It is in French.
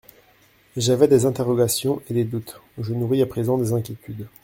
J’avais des interrogations et des doutes, je nourris à présent des inquiétudes.